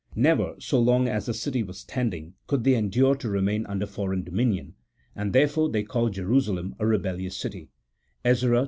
Never, so long as the city was standing, could they endure to remain under foreign dominion ; and therefore they called Jerusalem "a rebellious city" (Ezra iv.